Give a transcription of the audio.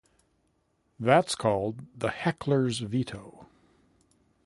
That's called the 'heckler's veto'.